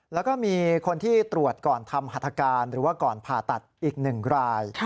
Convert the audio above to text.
แล้วก็มีคนที่ตรวจก่อนทำหัตถการหรือว่าก่อนผ่าตัดอีก๑ราย